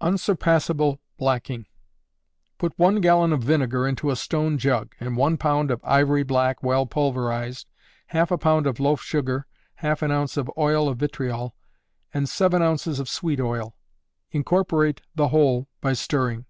Unsurpassable Blacking. Put one gallon of vinegar into a stone jug, and one pound of ivory black well pulverized, half a pound of loaf sugar, half an ounce of oil of vitriol, and seven ounces of sweet oil. Incorporate the whole by stirring.